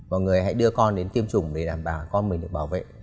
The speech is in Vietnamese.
mọi người hãy đưa con đến tiêm chủng để đảm bảo con mình được bảo vệ